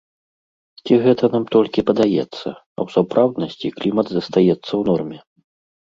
Ці гэта нам толькі падаецца, а ў сапраўднасці клімат застаецца ў норме?